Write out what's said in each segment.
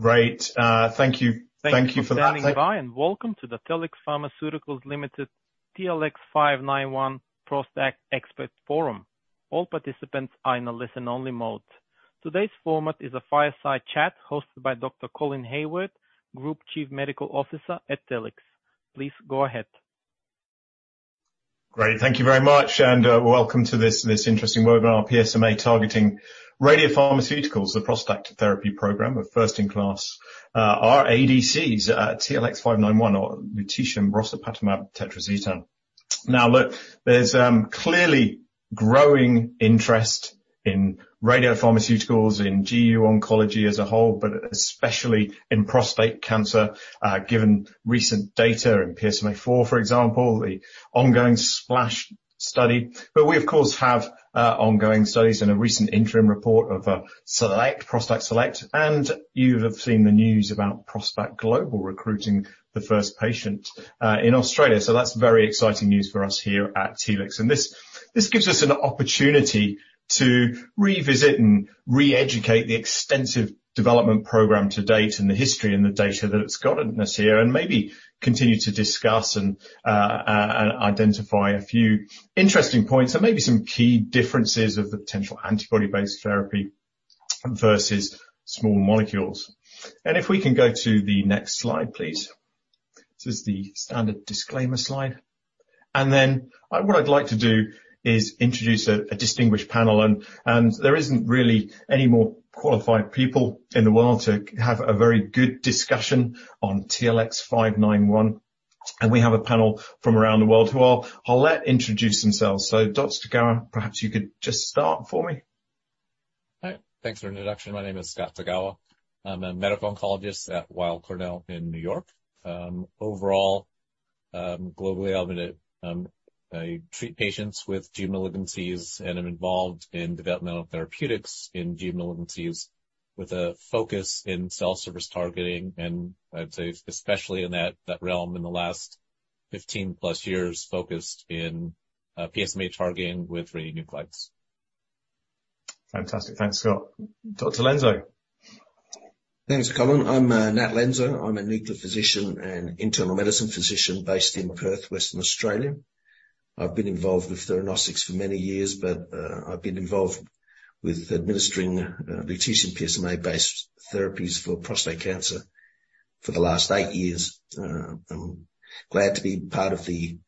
Thank you for standing by, and welcome to the Telix Pharmaceuticals Limited TLX591 ProstACT Expert Forum. All participants are in a listen-only mode. Today's format is a fireside chat hosted by Dr. Colin Hayward, Group Chief Medical Officer at Telix. Please go ahead. Great. Thank you very much, and welcome to this interesting webinar on PSMA targeting radiopharmaceuticals, the ProstACT therapy program, a first-in-class our ADCs, TLX591 or lutetium rosopatamab tetraxetan. Now, look, there's clearly growing interest in radiopharmaceuticals, in GU oncology as a whole, but especially in prostate cancer given recent data in PSMAfore, for example, the ongoing SPLASH study. But we, of course, have ongoing studies and a recent interim report of SELECT, ProstACT SELECT, and you have seen the news about ProstACT GLOBAL recruiting the first patient in Australia. So that's very exciting news for us here at Telix. This, this gives us an opportunity to revisit and re-educate the extensive development program to date and the history and the data that it's gotten us here, and maybe continue to discuss and identify a few interesting points and maybe some key differences of the potential antibody-based therapy versus small molecules. If we can go to the next slide, please. This is the standard disclaimer slide. Then, what I'd like to do is introduce a distinguished panel, and there isn't really any more qualified people in the world to have a very good discussion on TLX591. We have a panel from around the world who I'll let introduce themselves. So, Dr. Tagawa, perhaps you could just start for me. Hi. Thanks for introduction. My name is Scott Tagawa. I'm a Medical Oncologist at Weill Cornell in New York. Overall, globally, I'm gonna, I treat patients with GU malignancies and I'm involved in developmental therapeutics in GU malignancies with a focus in cell surface targeting, and I'd say, especially in that realm in the last 15+ years, focused in PSMA targeting with radionuclides. Fantastic. Thanks, Scott. Dr. Lenzo? Thanks, Colin. I'm Nat Lenzo. I'm a Nuclear Physician and Internal Medicine physician based in Perth, Western Australia. I've been involved with theranostics for many years, but I've been involved with administering lutetium PSMA-based therapies for prostate cancer for the last eight years. I'm glad to be part of the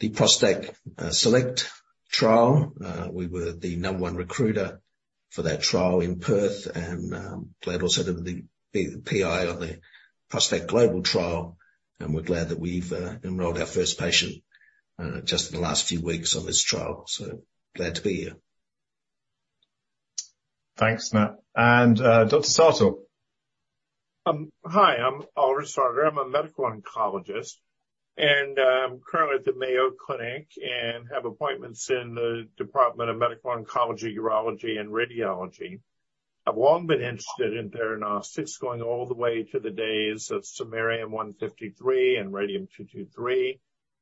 ProstACT SELECT trial. We were the number one recruiter for that trial in Perth, and glad also to be the PI on the ProstACT GLOBAL trial, and we're glad that we've enrolled our first patient just in the last few weeks on this trial. So, glad to be here. Thanks, Nat. And, Dr. Sartor. Hi, I'm Oliver Sartor. I'm a Medical Oncologist, and I'm currently at the Mayo Clinic and have appointments in the Department of Medical Oncology, Urology, and Radiology. I've long been interested in theranostics, going all the way to the days of samarium-153 and radium-223.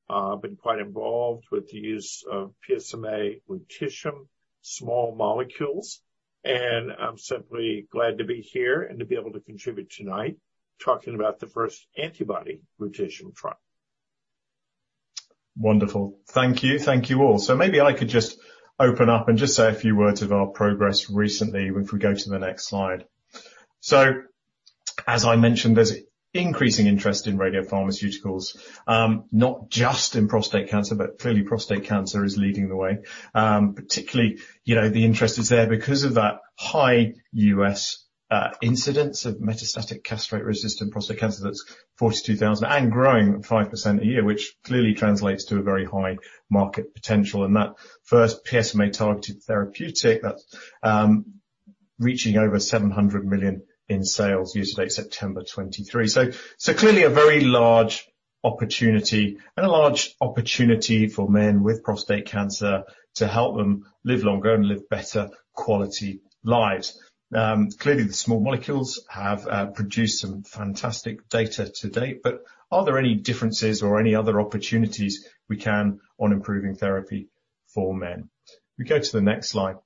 I've been quite involved with the use of PSMA lutetium small molecules, and I'm simply glad to be here and to be able to contribute tonight, talking about the first antibody rotation trial. Wonderful. Thank you. Thank you all. So maybe I could just open up and just say a few words of our progress recently if we go to the next slide. So as I mentioned, there's increasing interest in radiopharmaceuticals, not just in prostate cancer, but clearly prostate cancer is leading the way. Particularly, you know, the interest is there because of that high U.S., incidence of metastatic castrate-resistant prostate cancer. That's 42,000 and growing 5% a year, which clearly translates to a very high market potential. And that first PSMA-targeted therapeutic, that's, reaching over $700 million in sales, as of September 2023. So, so clearly a very large opportunity and a large opportunity for men with prostate cancer to help them live longer and live better quality lives. Clearly, the small molecules have produced some fantastic data to date, but are there any differences or any other opportunities we can on improving therapy for men? We go to the next slide.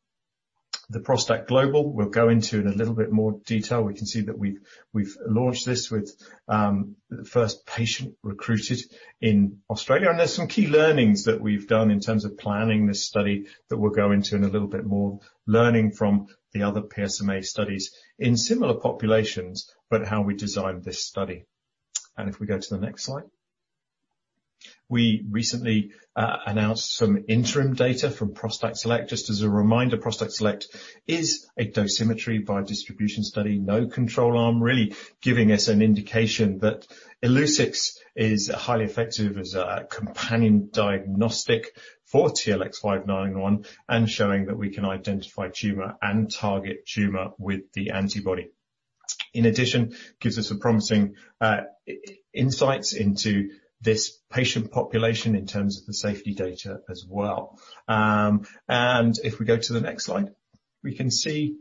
The ProstACT GLOBAL, we'll go into in a little bit more detail. We can see that we've launched this with the first patient recruited in Australia, and there's some key learnings that we've done in terms of planning this study that we'll go into in a little bit more, learning from the other PSMA studies in similar populations, but how we designed this study. And if we go to the next slide. We recently announced some interim data from ProstACT SELECT. Just as a reminder, ProstACT SELECT is a dosimetry biodistribution study, no control arm, really giving us an indication that Illuccix is highly effective as a companion diagnostic for TLX591, and showing that we can identify tumor and target tumor with the antibody. In addition, gives us a promising insights into this patient population in terms of the safety data as well. And if we go to the next slide, we can see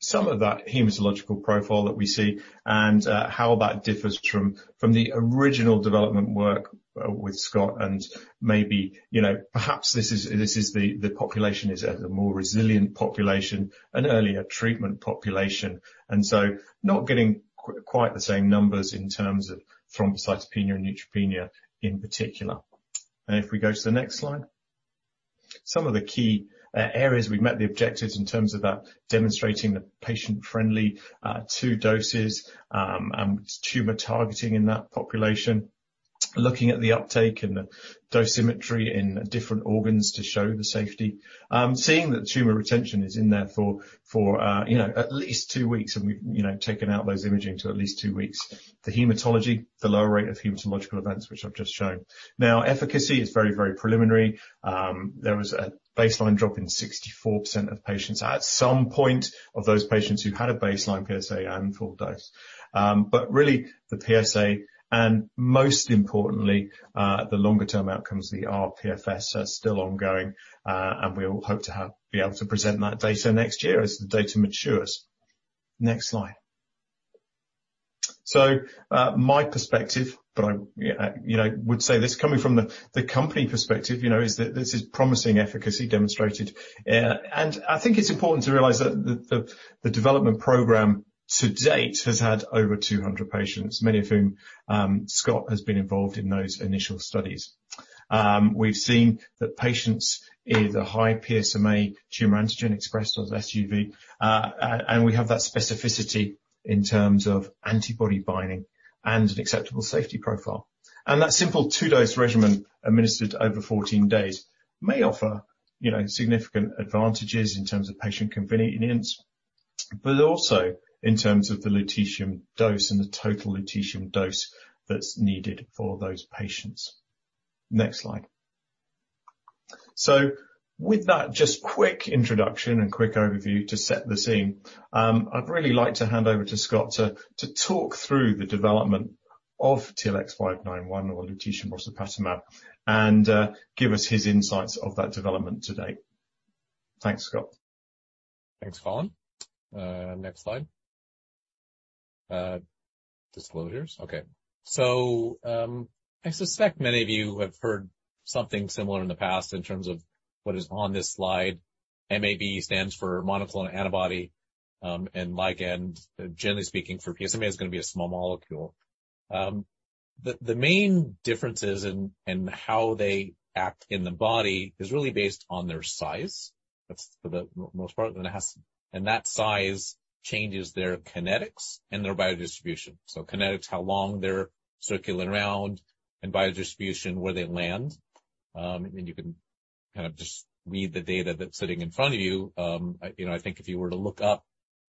some of that hematological profile that we see and how that differs from the original development work with Scott and maybe, you know, perhaps this is the population is a more resilient population, an earlier treatment population. And so not getting quite the same numbers in terms of thrombocytopenia and neutropenia in particular. And if we go to the next slide. Some of the key areas, we've met the objectives in terms of that demonstrating the patient-friendly two doses, and tumor targeting in that population, looking at the uptake and the dosimetry in different organs to show the safety. Seeing that tumor retention is in there for, for you know, at least two weeks, and we've you know, taken out those imaging to at least two weeks. The hematology, the lower rate of hematological events, which I've just shown. Now, efficacy is very, very preliminary. There was a baseline drop in 64% of patients at some point of those patients who've had a baseline PSA and full dose. But really, the PSA and most importantly, the longer-term outcomes, the rPFS are still ongoing, and we all hope to be able to present that data next year as the data matures. Next slide. So, my perspective, but I'm, you know, would say this coming from the company perspective, you know, is that this is promising efficacy demonstrated. And I think it's important to realize that the development program to date has had over 200 patients, many of whom, Scott has been involved in those initial studies. We've seen that patients with a high PSMA tumor antigen expressed on SUV, and we have that specificity in terms of antibody binding and an acceptable safety profile. That simple two-dose regimen administered over 14 days may offer, you know, significant advantages in terms of patient convenience, but also in terms of the lutetium dose and the total lutetium dose that's needed for those patients. Next slide. With that, just quick introduction and quick overview to set the scene, I'd really like to hand over to Scott to talk through the development of TLX591 or lutetium rosopatamab tetraxetan, and give us his insights of that development to date. Thanks, Scott. Thanks, Colin. Next slide. Disclosures. Okay. So, I suspect many of you have heard something similar in the past in terms of what is on this slide. mAb stands for monoclonal antibody, and ligand, generally speaking for PSMA, is gonna be a small molecule. The main differences in how they act in the body is really based on their size. That's for the most part, and that size changes their kinetics and their biodistribution. So kinetics, how long they're circulating around, and biodistribution, where they land. And you can kind of just read the data that's sitting in front of you. You know, I think if you were to look up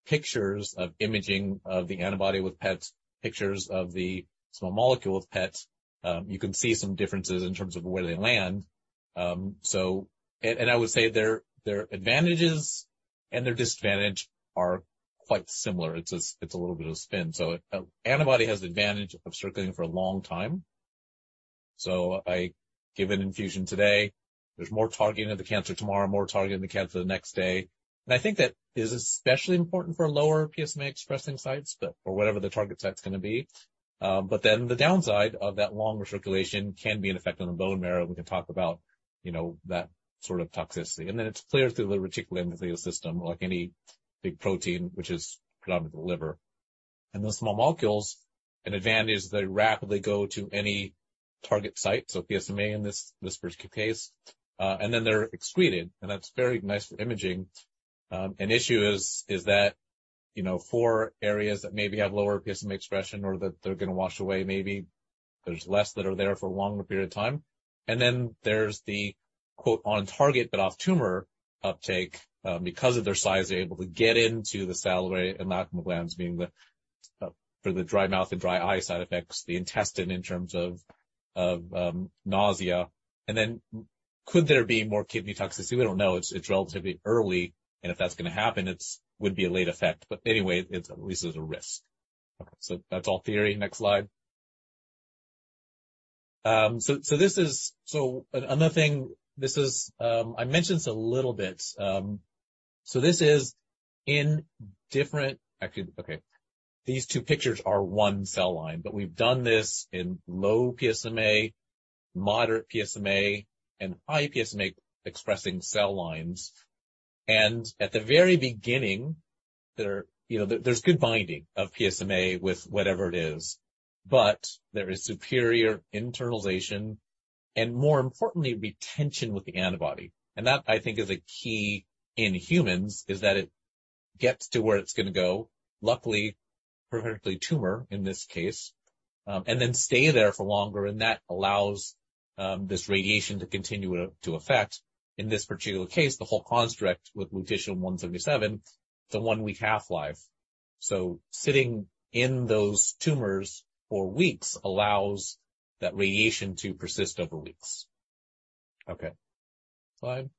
pictures of imaging of the antibody with PET, pictures of the small molecule with PET, you can see some differences in terms of where they land. And I would say their, their advantages and their disadvantage are quite similar. It's a little bit of spin. So antibody has the advantage of circulating for a long time. So I give an infusion today, there's more targeting of the cancer tomorrow, more targeting of the cancer the next day. And I think that is especially important for lower PSMA-expressing sites, but or whatever the target site's gonna be. But then the downside of that longer circulation can be an effect on the bone marrow. We can talk about, you know, that sort of toxicity. Then it's cleared through the reticuloendothelial system, like any big protein, which is predominantly the liver. Those small molecules, an advantage is they rapidly go to any target site, so PSMA in this particular case, and then they're excreted, and that's very nice for imaging. An issue is that, you know, for areas that maybe have lower PSMA expression or that they're gonna wash away, maybe there's less that are there for a longer period of time. Then there's the, quote, "on target but off-tumor" uptake. Because of their size, they're able to get into the salivary and lacrimal glands, being the for the dry mouth and dry eye side effects, the intestine in terms of nausea. Then could there be more kidney toxicity? We don't know. It's relatively early, and if that's gonna happen, it would be a late effect. But anyway, at least there's a risk. Okay, so that's all theory. Next slide. So another thing, this is—I mentioned this a little bit. So this is in different. Actually, okay, these two pictures are one cell line, but we've done this in low PSMA, moderate PSMA, and high PSMA-expressing cell lines. And at the very beginning, you know, there's good binding of PSMA with whatever it is, but there is superior internalization and, more importantly, retention with the antibody. That, I think, is a key in humans, is that it gets to where it's gonna go, luckily, preferably tumor in this case, and then stay there for longer, and that allows this radiation to continue to affect, in this particular case, the whole construct with lutetium 177, the 1-week half-life. So sitting in those tumors for weeks allows that radiation to persist over weeks. Okay, slide.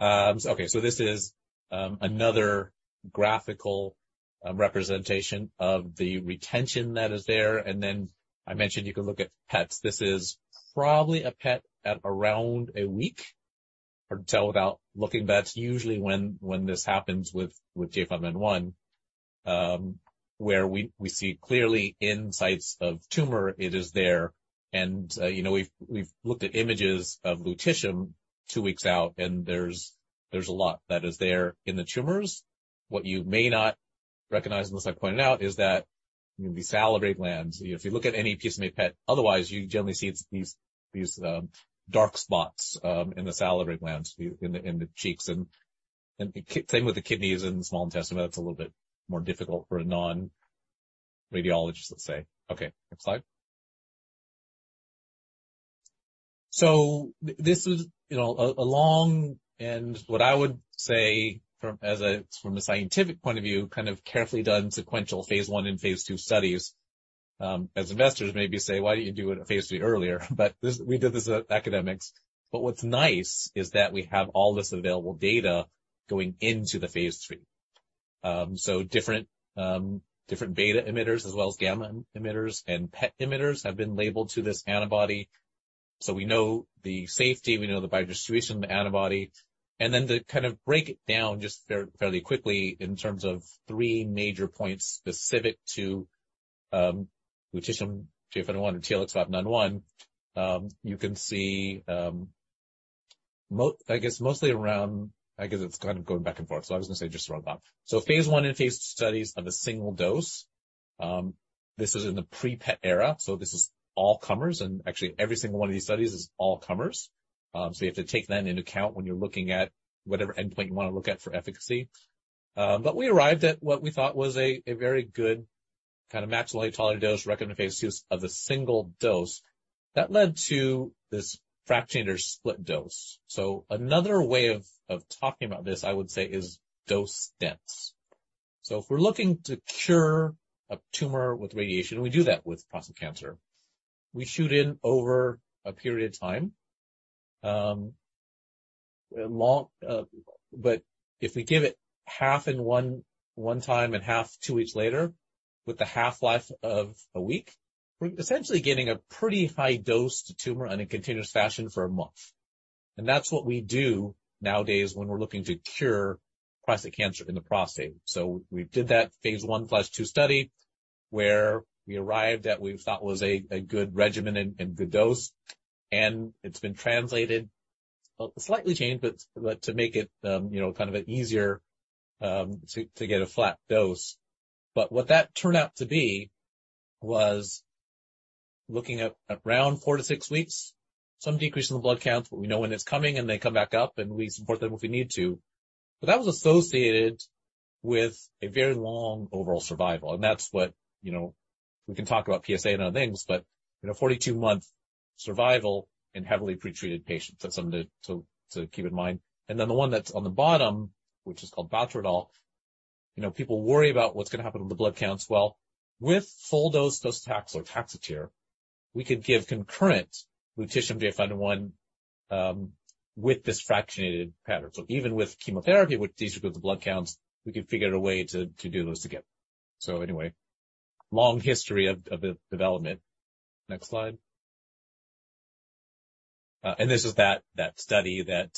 Okay, so this is another graphical representation of the retention that is there, and then I mentioned you can look at PETs. This is probably a PET at around a week, hard to tell without looking, but that's usually when this happens with J591. Where we see clearly insights of tumor, it is there, and you know, we've looked at images of lutetium two weeks out, and there's a lot that is there in the tumors. What you may not recognize, unless I pointed out, is that the salivary glands, if you look at any PSMA PET, otherwise you generally see it's these dark spots in the salivary glands, in the cheeks. And same with the kidneys and the small intestine, that's a little bit more difficult for a non-radiologist, let's say. Okay, next slide. So this is, you know, a long and what I would say from a scientific point of view, kind of carefully done sequential phase I and phase II studies. As investors maybe say, "Why don't you do a phase III earlier?" But this—we did this as academics. But what's nice is that we have all this available data going into the phase III. So different, different beta emitters as well as gamma emitters and PET emitters have been labeled to this antibody. So we know the safety, we know the biodistribution of the antibody, and then to kind of break it down just fairly quickly in terms of three major points specific to, lutetium J591 and TLX591. You can see, I guess, mostly around. I guess it's kind of going back and forth. So I was gonna say just the wrong one. So phase I and phase II studies of a single dose. This is in the pre-PET era, so this is all comers, and actually, every single one of these studies is all comers. So you have to take that into account when you're looking at whatever endpoint you wanna look at for efficacy. But we arrived at what we thought was a very good kind of maximal tolerated dose recommended phase II of a single dose. That led to this fractionated or split dose. So another way of talking about this, I would say, is dose dense. So if we're looking to cure a tumor with radiation, we do that with prostate cancer. We shoot in over a period of time, a long. But if we give it half in one, 1 time and half, 2 weeks later, with the half-life of a week, we're essentially getting a pretty high dose to tumor in a continuous fashion for a month. And that's what we do nowadays when we're looking to cure prostate cancer in the prostate. So we did that phase I+ phase II study, where we arrived at what we thought was a good regimen and good dose, and it's been translated, slightly changed, but to make it, you know, kind of easier, to get a flat dose. But what that turned out to be was looking at around 4-6 weeks, some decrease in the blood counts, but we know when it's coming, and they come back up, and we support them if we need to. But that was associated with a very long overall survival, and that's what, you know, we can talk about PSA and other things, but, you know, 42-month survival in heavily pretreated patients. That's something to keep in mind. And then the one that's on the bottom, which is called Docetaxel, you know, people worry about what's gonna happen to the blood counts. Well, with full dose docetaxel or Taxotere, we can give concurrent lutetium J591 with this fractionated pattern. So even with chemotherapy, which decreases the blood counts, we can figure out a way to do those together. So anyway, long history of the development. Next slide. And this is that study that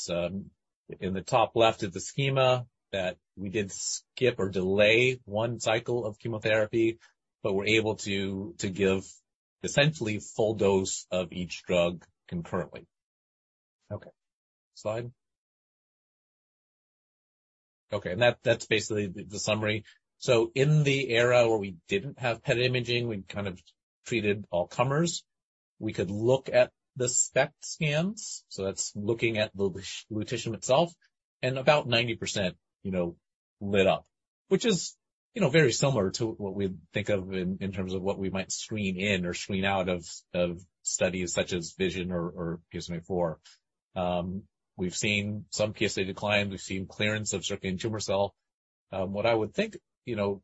in the top left of the schema, that we did skip or delay one cycle of chemotherapy, but we're able to give essentially full dose of each drug concurrently. Okay, slide. Okay, and that's basically the summary. So in the era where we didn't have PET imaging, we kind of treated all comers. We could look at the SPECT scans, so that's looking at the lutetium itself, and about 90%, you know, lit up, which is, you know, very similar to what we think of in terms of what we might screen in or screen out of studies such as VISION or PSMAfore. We've seen some PSA decline. We've seen clearance of circulating tumor cell. What I would think, you know,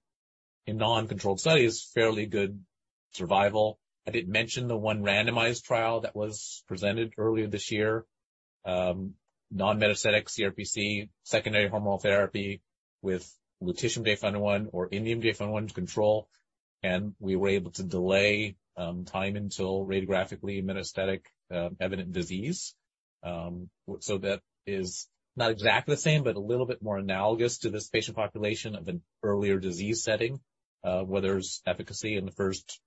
in non-controlled study is fairly good survival. I did mention the one randomized trial that was presented earlier this year, non-metastatic CRPC, secondary hormonal therapy with lutetium J591 or indium J591 control, and we were able to delay time until radiographically metastatic evident disease. So that is not exactly the same, but a little bit more analogous to this patient population of an earlier disease setting, where there's efficacy in the first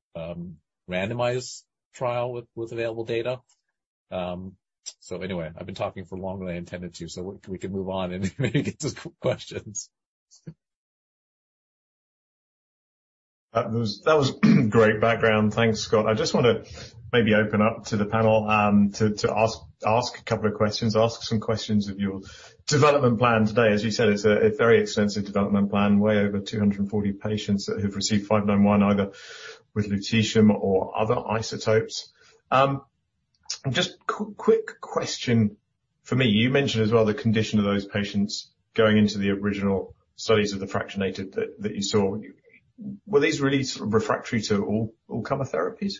randomized trial with available data. So anyway, I've been talking for longer than I intended to, so we can move on and maybe get to some questions. That was great background. Thanks, Scott. I just wanna maybe open up to the panel to ask a couple of questions of your development plan today. As you said, it's a very extensive development plan, way over 240 patients that who've received J591, either with lutetium or other isotopes. Just quick question for me. You mentioned as well the condition of those patients going into the original studies of the fractionated that you saw. Were these really refractory to all chemotherapies?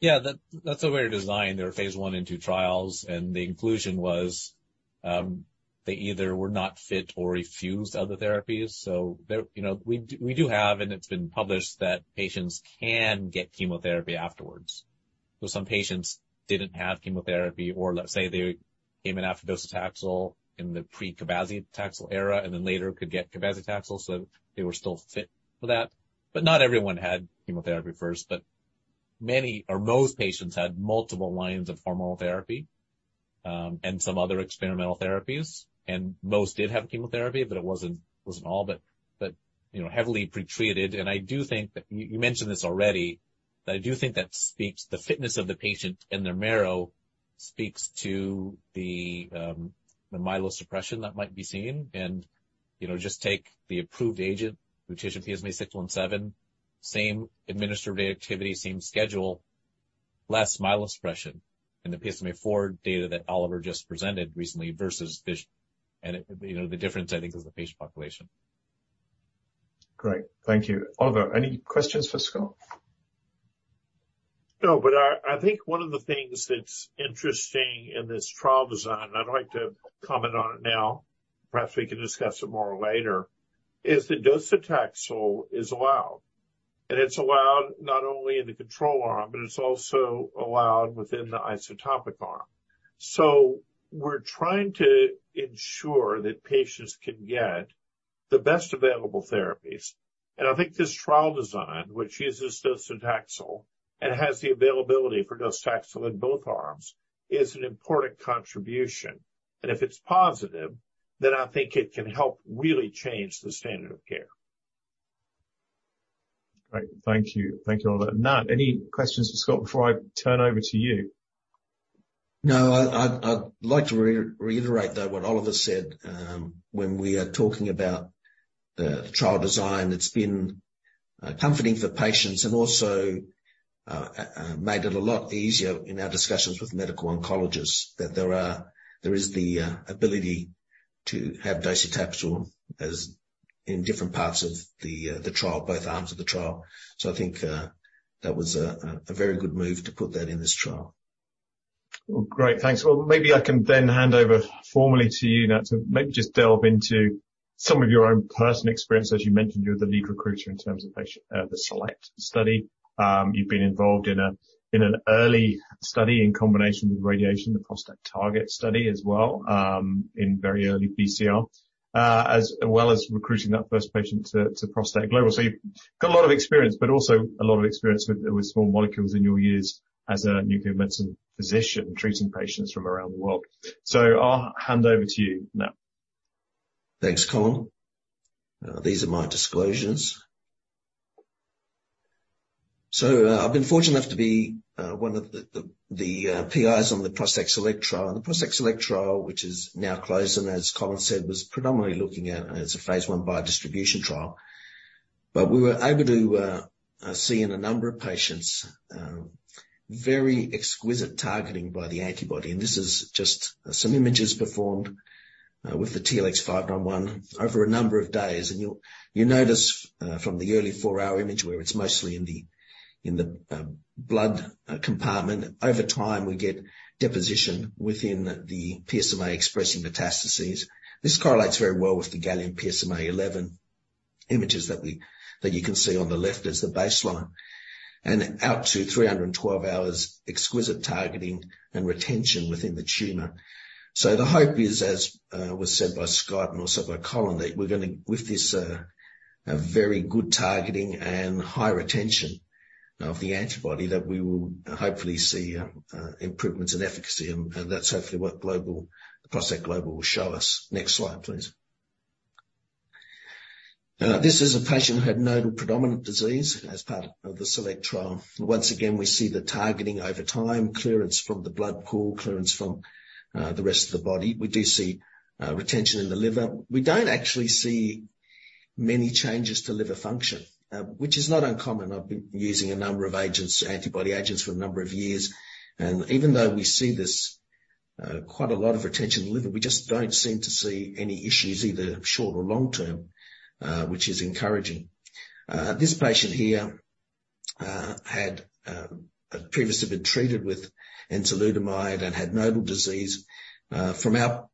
Yeah, that, that's the way we designed our phase I and II trials, and the inclusion was, they either were not fit or refused other therapies. So there, you know, we do, we do have, and it's been published, that patients can get chemotherapy afterwards. So some patients didn't have chemotherapy, or let's say they came in after docetaxel in the pre-cabazitaxel era and then later could get cabazitaxel, so they were still fit for that. But not everyone had chemotherapy first, but many or most patients had multiple lines of hormonal therapy, and some other experimental therapies. And most did have chemotherapy, but it wasn't, wasn't all, but, but, you know, heavily pretreated. I do think that you mentioned this already, but I do think that speaks, the fitness of the patient and their marrow speaks to the myelosuppression that might be seen. You know, just take the approved agent, lutetium PSMA-617, same administrative activity, same schedule, less myelosuppression in the PSMAfore data that Oliver just presented recently versus this. You know, the difference, I think, is the patient population. Great, thank you. Oliver, any questions for Scott? No, but I, I think one of the things that's interesting in this trial design, I'd like to comment on it now, perhaps we can discuss it more later, is that docetaxel is allowed, and it's allowed not only in the control arm, but it's also allowed within the isotopic arm. So we're trying to ensure that patients can get the best available therapies, and I think this trial design, which uses docetaxel and has the availability for docetaxel in both arms, is an important contribution. And if it's positive, then I think it can help really change the standard of care. Great, thank you. Thank you, Oliver. Nat, any questions for Scott before I turn over to you? No, I'd like to reiterate, though, what Oliver said, when we are talking about the trial design, it's been comforting for patients and also made it a lot easier in our discussions with medical oncologists, that there is the ability to have docetaxel as in different parts of the trial, both arms of the trial. So I think that was a very good move to put that in this trial. Well, great. Thanks. Well, maybe I can then hand over formally to you now to maybe just delve into some of your own personal experience. As you mentioned, you're the lead recruiter in terms of patient, the SELECT study. You've been involved in an early study in combination with radiation, the ProstACT TARGET study as well, in very early BCR, as well as recruiting that first patient to ProstACT GLOBAL. So you've got a lot of experience, but also a lot of experience with small molecules in your years as a nuclear medicine physician, treating patients from around the world. So I'll hand over to you now. Thanks, Colin. These are my disclosures. So, I've been fortunate enough to be one of the PIs on the ProstACT SELECT trial. The ProstACT SELECT trial, which is now closed, and as Colin said, was predominantly looking at, and it's a phase I biodistribution trial. But we were able to see in a number of patients very exquisite targeting by the antibody, and this is just some images performed with the TLX591 over a number of days. And you'll notice from the early four-hour image, where it's mostly in the blood compartment, over time, we get deposition within the PSMA-expressing metastases. This correlates very well with the gallium PSMA-11 images that you can see on the left as the baseline, and out to 312 hours, exquisite targeting and retention within the tumor. So the hope is, as was said by Scott and also by Colin, that we're gonna. With this, a very good targeting and high retention of the antibody, that we will hopefully see improvements in efficacy, and, and that's hopefully what ProstACT GLOBAL will show us. Next slide, please. This is a patient who had nodal predominant disease as part of the SELECT trial. Once again, we see the targeting over time, clearance from the blood pool, clearance from the rest of the body. We do see retention in the liver. We don't actually see many changes to liver function, which is not uncommon. I've been using a number of agents, antibody agents, for a number of years, and even though we see this, quite a lot of retention in the liver, we just don't seem to see any issues, either short or long term, which is encouraging. This patient here had previously been treated with enzalutamide and had nodal disease. From our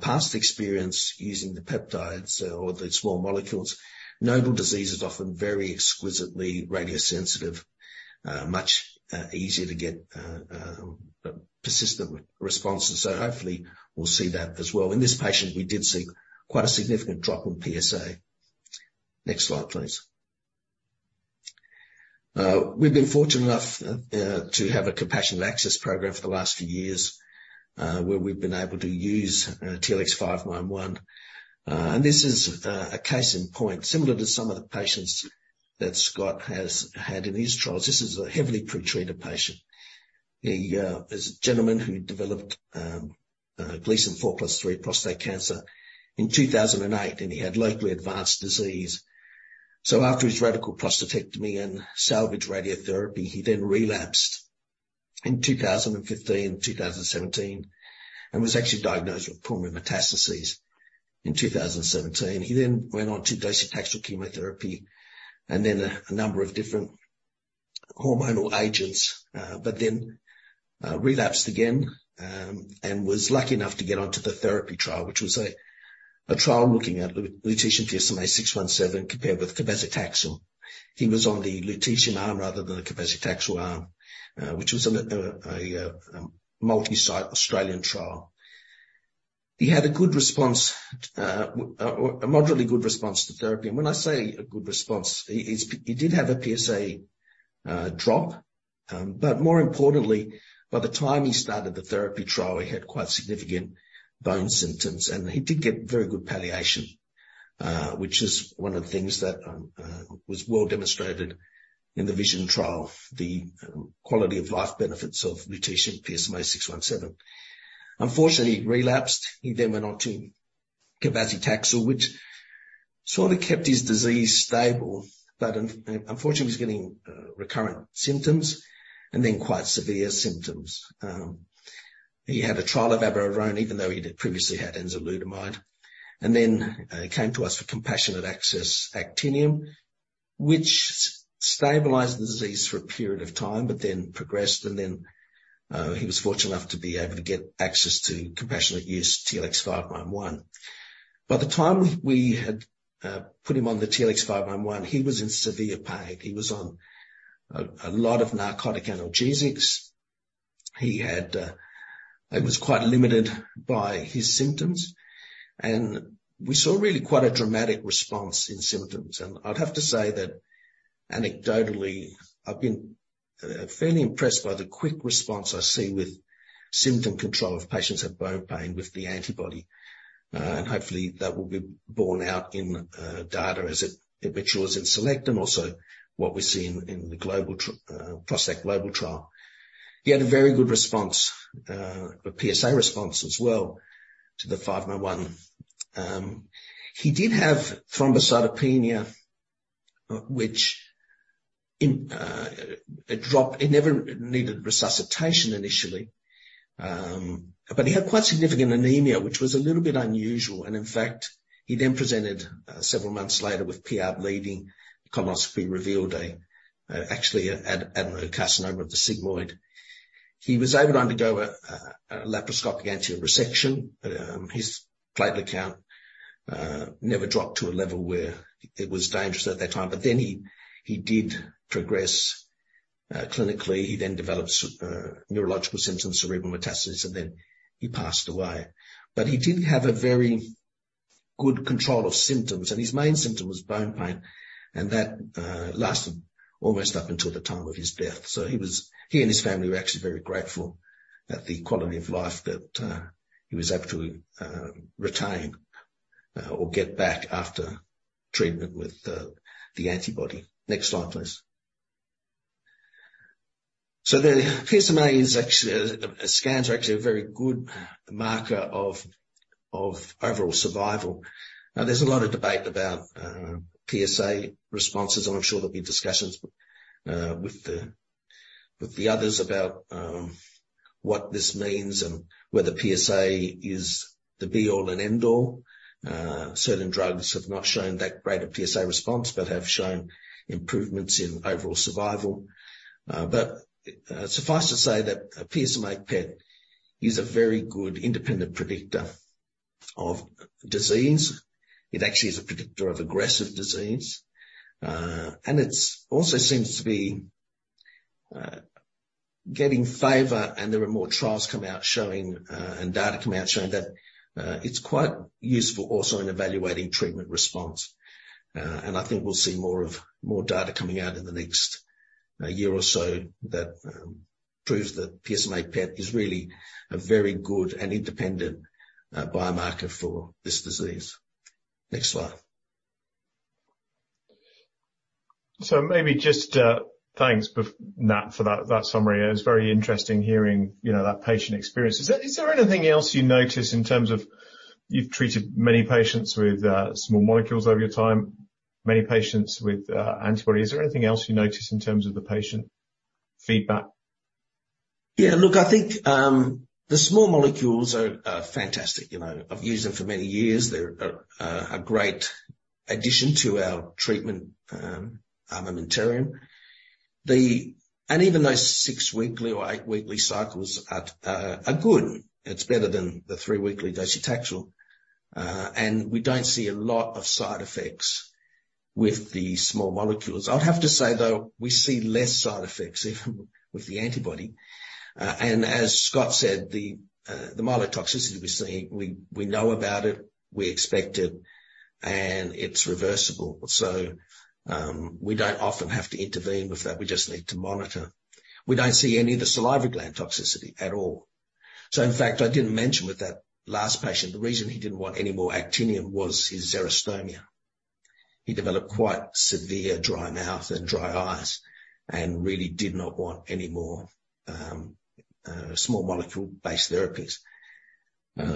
past experience using the peptides or the small molecules, nodal disease is often very exquisitely radiosensitive, much easier to get persistent responses. So hopefully, we'll see that as well. In this patient, we did see quite a significant drop in PSA. Next slide, please. We've been fortunate enough to have a compassionate access program for the last few years, where we've been able to use TLX591. And this is a case in point, similar to some of the patients that Scott has had in his trials. This is a heavily pre-treated patient. He is a gentleman who developed Gleason 4+3 prostate cancer in 2008, and he had locally advanced disease. So after his radical prostatectomy and salvage radiotherapy, he then relapsed in 2015 and 2017 and was actually diagnosed with pulmonary metastases in 2017. He then went on to docetaxel chemotherapy and then a number of different hormonal agents, but then relapsed again, and was lucky enough to get onto the therapy trial, which was a trial looking at lutetium PSMA-617 compared with cabazitaxel. He was on the lutetium arm rather than the cabazitaxel arm, which was a multi-site Australian trial. He had a good response, a moderately good response to therapy. And when I say a good response, he did have a PSA drop, but more importantly, by the time he started the therapy trial, he had quite significant bone symptoms, and he did get very good palliation, which is one of the things that was well demonstrated in the VISION trial, the quality of life benefits of lutetium PSMA-617. Unfortunately, he relapsed. He then went on to cabazitaxel, which sort of kept his disease stable, but unfortunately, he was getting recurrent symptoms and then quite severe symptoms. He had a trial of abiraterone, even though he had previously had enzalutamide, and then he came to us for compassionate access actinium, which stabilized the disease for a period of time, but then progressed, and then he was fortunate enough to be able to get access to compassionate use TLX591. By the time we had put him on the TLX591, he was in severe pain. He was on a lot of narcotic analgesics. He was quite limited by his symptoms, and we saw really quite a dramatic response in symptoms. And I'd have to say that anecdotally, I've been fairly impressed by the quick response I see with symptom control of patients who have bone pain with the antibody. Hopefully, that will be borne out in data as it was in SELECT and also what we see in the ProstACT GLOBAL trial. He had a very good response, a PSA response as well to the 511. He did have thrombocytopenia, which it dropped. He never needed resuscitation initially, but he had quite significant anemia, which was a little bit unusual, and in fact, he then presented several months later with PR bleeding. A colonoscopy revealed actually an adenocarcinoma of the sigmoid. He was able to undergo a laparoscopic anterior resection, but his platelet count never dropped to a level where it was dangerous at that time. But then he did progress clinically. He then developed neurological symptoms, cerebral metastasis, and then he passed away. But he did have a very good control of symptoms, and his main symptom was bone pain, and that lasted almost up until the time of his death. He and his family were actually very grateful at the quality of life that he was able to retain or get back after treatment with the antibody. Next slide, please. So the PSMA is actually scans are actually a very good marker of overall survival. Now, there's a lot of debate about PSA responses, and I'm sure there'll be discussions with the others about what this means and whether PSA is the be-all and end-all. Certain drugs have not shown that great a PSA response, but have shown improvements in overall survival. But suffice to say that a PSMA PET is a very good independent predictor of disease. It actually is a predictor of aggressive disease, and it's also seems to be getting favor, and there are more trials coming out showing, and data coming out showing that, it's quite useful also in evaluating treatment response. And I think we'll see more of, more data coming out in the next year or so that proves that PSMA PET is really a very good and independent biomarker for this disease. Next slide. So maybe just thanks, Nat, for that summary. It was very interesting hearing, you know, that patient experience. Is there anything else you noticed in terms of. You've treated many patients with small molecules over your time, many patients with antibody. Is there anything else you noticed in terms of the patient feedback? Yeah, look, I think the small molecules are fantastic. You know, I've used them for many years. They're a great addition to our treatment armamentarium. Even those six-weekly or eight-weekly cycles are good. It's better than the three-weekly docetaxel, and we don't see a lot of side effects with the small molecules. I would have to say, though, we see less side effects even with the antibody. And as Scott said, the mild toxicity we're seeing, we know about it, we expect it, and it's reversible. So, we don't often have to intervene with that. We just need to monitor. We don't see any of the salivary gland toxicity at all. So in fact, I didn't mention with that last patient, the reason he didn't want any more actinium was his xerostomia. He developed quite severe dry mouth and dry eyes and really did not want any more small molecule-based therapies.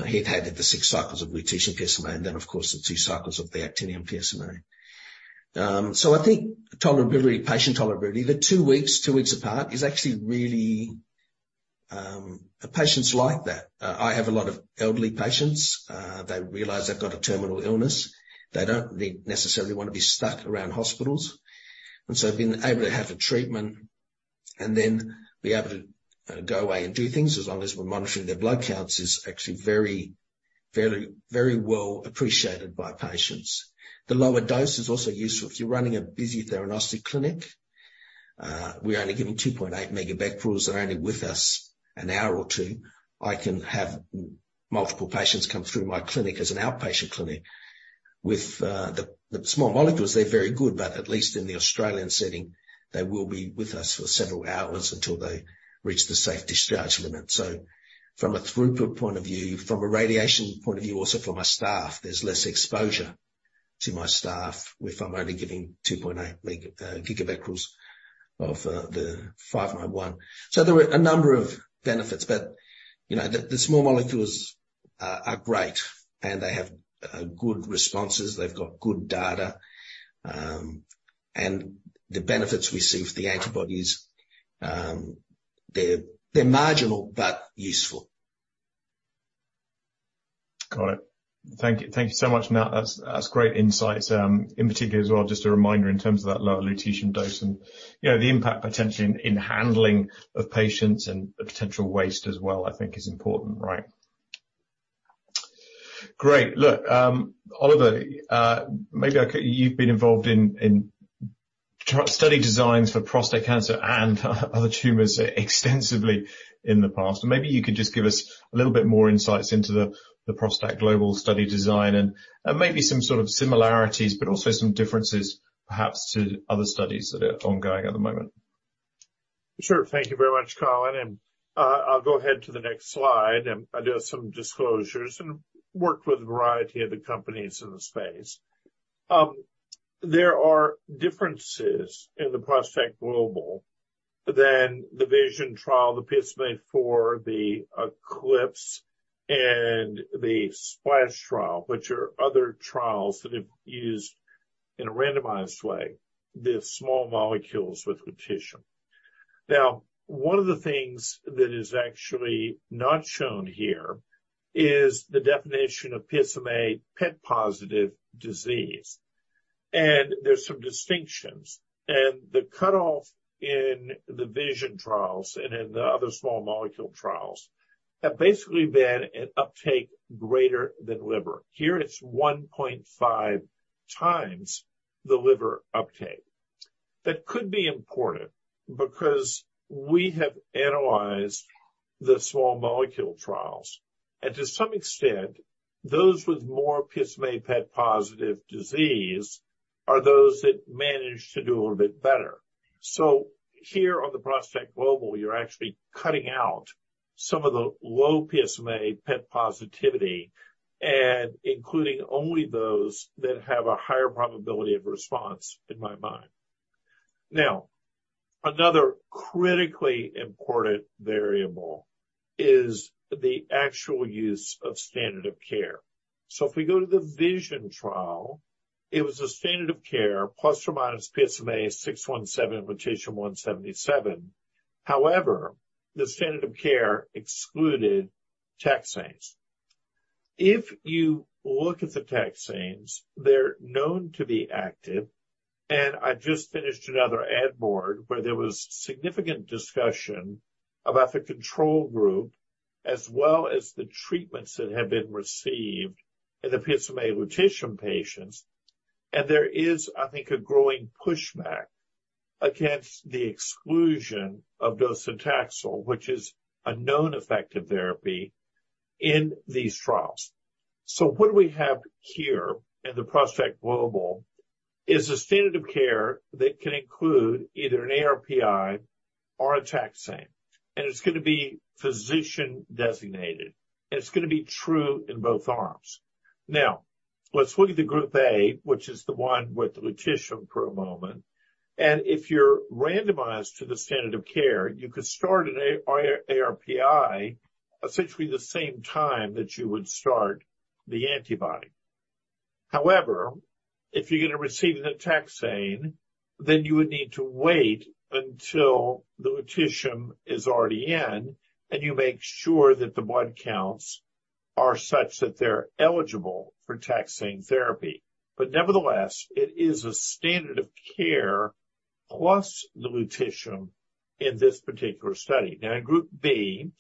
He'd had the six cycles of lutetium PSMA, and then, of course, the two cycles of the actinium PSMA. So I think tolerability, patient tolerability, the two weeks, two weeks apart is actually really. The patients like that. I have a lot of elderly patients. They realize they've got a terminal illness. They don't necessarily want to be stuck around hospitals, and so being able to have a treatment and then be able to go away and do things, as long as we're monitoring their blood counts, is actually very, very, very well appreciated by patients. The lower dose is also useful if you're running a busy theranostic clinic. We're only giving 2.8 megabecquerels. They're only with us an hour or two. I can have multiple patients come through my clinic as an outpatient clinic. With the small molecules, they're very good, but at least in the Australian setting, they will be with us for several hours until they reach the safe discharge limit. So from a throughput point of view, from a radiation point of view, also for my staff, there's less exposure to my staff if I'm only giving 2.8 gigabecquerels of the J591. So there are a number of benefits, but, you know, the small molecules are great, and they have good responses. They've got good data, and the benefits we see with the antibodies, they're marginal, but useful. Got it. Thank you. Thank you so much, Matt. That's, that's great insights. In particular as well, just a reminder in terms of that lower lutetium dose and, you know, the impact potentially in handling of patients and the potential waste as well, I think is important, right? Great. Look, Oliver, maybe I could. You've been involved in, in study designs for prostate cancer and other tumors extensively in the past. Maybe you could just give us a little bit more insights into the, the ProstACT GLOBAL study design and, and maybe some sort of similarities, but also some differences perhaps to other studies that are ongoing at the moment. Sure. Thank you very much, Colin, and I'll go ahead to the next slide, and I do have some disclosures and worked with a variety of the companies in the space. There are differences in the ProstACT GLOBAL than the VISION trial, the PSMAfore, the ECLIPSE, and the SPLASH trial, which are other trials that have used, in a randomized way, the small molecules with lutetium. Now, one of the things that is actually not shown here is the definition of PSMA PET-positive disease, and there's some distinctions. The cutoff in the VISION trials and in the other small molecule trials have basically been an uptake greater than liver. Here, it's 1.5 times the liver uptake. That could be important because we have analyzed the small molecule trials, and to some extent, those with more PSMA PET-positive disease are those that managed to do a little bit better. So here on the ProstACT GLOBAL, you're actually cutting out some of the low PSMA PET positivity and including only those that have a higher probability of response, in my mind. Now, another critically important variable is the actual use of standard of care. So if we go to the VISION trial, it was a standard of care plus or minus PSMA-617 lutetium-177. However, the standard of care excluded taxanes. If you look at the taxanes, they're known to be active, and I just finished another ad board where there was significant discussion about the control group, as well as the treatments that have been received in the PSMA lutetium patients. There is, I think, a growing pushback against the exclusion of docetaxel, which is a known effective therapy in these trials. What we have here in the ProstACT GLOBAL is a standard of care that can include either an ARPI or a taxane, and it's going to be physician-designated, and it's going to be true in both arms. Now, let's look at the group A, which is the one with the lutetium, for a moment. If you're randomized to the standard of care, you could start an ARPI, essentially the same time that you would start the antibody. However, if you're going to receive the taxane, then you would need to wait until the lutetium is already in, and you make sure that the blood counts are such that they're eligible for taxane therapy. But nevertheless, it is a standard of care plus the lutetium in this particular study. Now, in group B,